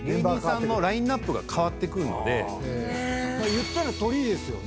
言ったらトリですよね？